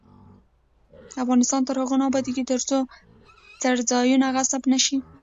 افغانستان تر هغو نه ابادیږي، ترڅو څرځایونه غصب نشي.